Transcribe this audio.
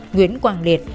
nguyễn hoàng liệt